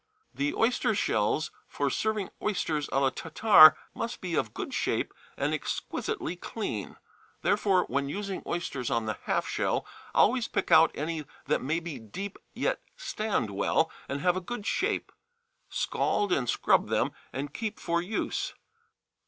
_ The oyster shells for serving oysters à la Tartare must be of good shape and exquisitely clean; therefore, when using oysters on the half shell, always pick out any that may be deep yet stand well, and have a good shape; scald and scrub them, and keep for use.